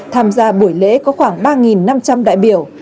tham gia buổi lễ có khoảng ba năm trăm linh đại biểu